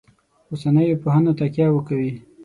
اوسنیو پوهنو تکیه وکوي.